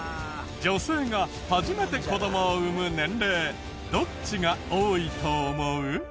女性が初めて子供を産む年齢どっちが多いと思う？